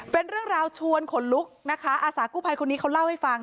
เป็นเรื่องราวชวนขนลุกนะคะอาสากู้ภัยคนนี้เขาเล่าให้ฟัง